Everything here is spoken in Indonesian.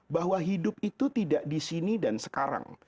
bahwa hidup itu tidak di sini dan sekarang